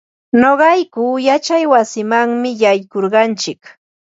Nuqayku yachay wasiman yaykurquntsik.